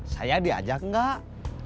saya diajak nggak